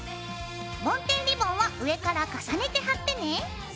ぼんてんリボンは上から重ねて貼ってね。